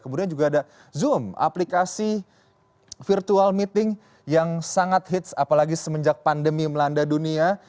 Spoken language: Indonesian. kemudian juga ada zoom aplikasi virtual meeting yang sangat hits apalagi semenjak pandemi melanda dunia